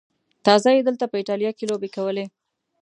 تازه یې دلته په ایټالیا کې لوبې کولې.